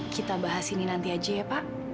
kita bahas ini nanti aja ya pak